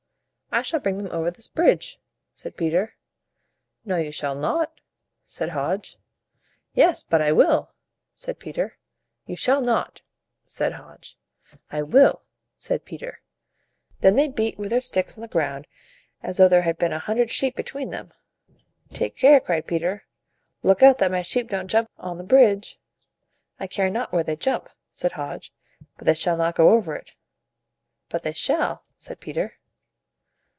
"I shall bring them over this bridge," said Peter. "No, you shall not," said Hodge. "Yes, but I will," said Peter. "You shall not," said Hodge. "I will," said Peter. Then they beat with their sticks on the ground as though there had been a hundred sheep between them. "Take care!" cried Peter. "Look out that my sheep don't jump on the bridge." "I care not where they jump," said Hodge; "but they shall not go over it." "But they shall," said Peter.